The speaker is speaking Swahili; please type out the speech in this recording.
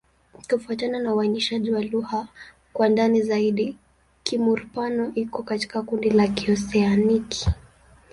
Kufuatana na uainishaji wa lugha kwa ndani zaidi, Kimur-Pano iko katika kundi la Kioseaniki.